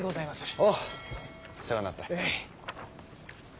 あぁ世話になった。